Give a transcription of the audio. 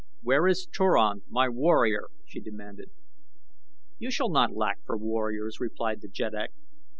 "Where is Turan, my warrior?" she demanded. "You shall not lack for warriors," replied the jeddak.